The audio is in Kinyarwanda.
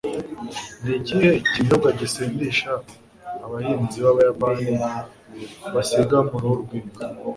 Ni ikihe kinyobwa gisindisha abahinzi b'Abayapani basiga mu ruhu rw'inka